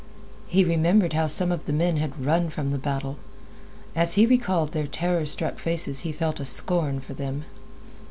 He remembered how some of the men had run from the battle. As he recalled their terror struck faces he felt a scorn for them.